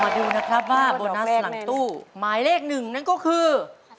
ดูนะครับว่าโบนัสหลังตู้หมายเลขหนึ่งนั่นก็คือ